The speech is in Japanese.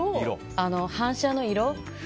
反射の色。